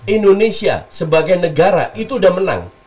indonesia sebagai negara itu sudah menang